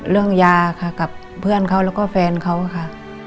ยาค่ะกับเพื่อนเขาแล้วก็แฟนเขาค่ะ